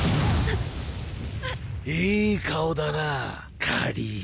いい顔だなカリーナ。